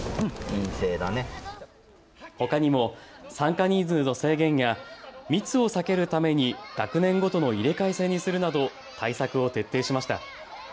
ほかにも参加人数の制限や密を避けるために学年ごとの入れ替え制にするなど対策を徹底しました。